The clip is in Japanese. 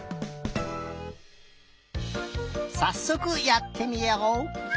さっそくやってみよう！